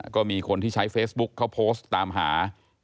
ก็มีคนที่ใช้เฟซบุ๊คเขาโพสต์ตามหา